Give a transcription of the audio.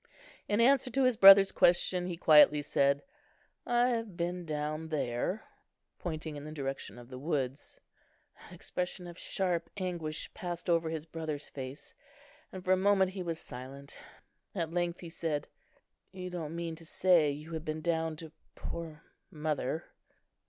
In answer to his brother's question, he quietly said, "I have been down there," pointing in the direction of the woods. An expression of sharp anguish passed over his brother's face, and for a moment he was silent. At length he said, "You don't mean to say you have been down to poor mother?"